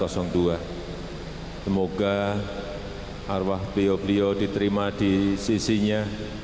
semoga arwah beliau beliau diterima di sisinya